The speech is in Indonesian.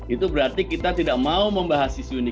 itu berarti kita tidak mau membahas isu ini